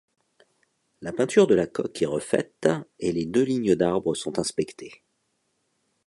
La peinture de la coque est refaite et les deux lignes d'arbres sont inspectées.